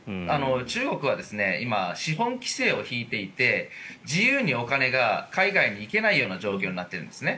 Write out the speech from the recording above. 中国は今、資本規制を敷いていて自由にお金が海外に行けないような状況になってるんですね。